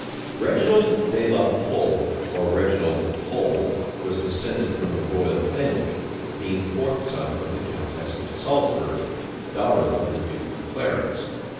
Reginald de la Pole, or Reginald Pole, was descended from the royal family, being fourth son of the countess of Salisbury, daughter of the duke of Clarence.